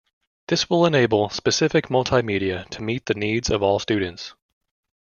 This will enable specific multimedia to meet the needs of all students.